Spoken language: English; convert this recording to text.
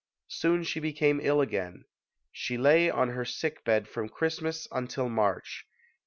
Soon she became ill again. She lay on her sick bed from Christmas until March.